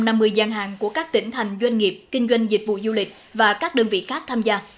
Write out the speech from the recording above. năm nay có một trăm năm mươi gian hàng của các tỉnh thành doanh nghiệp kinh doanh dịch vụ du lịch và các đơn vị khác tham gia